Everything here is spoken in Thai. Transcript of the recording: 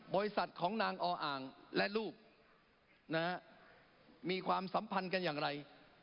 บริษัทของนางออ่างและลูกมีความสัมพันธ์กันอย่างไร